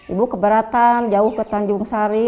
ibu keberatan jauh ke tanjung sari